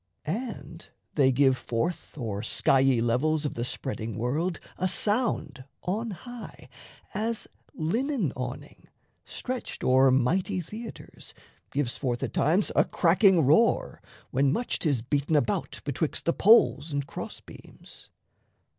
And they give forth O'er skiey levels of the spreading world A sound on high, as linen awning, stretched O'er mighty theatres, gives forth at times A cracking roar, when much 'tis beaten about Betwixt the poles and cross beams.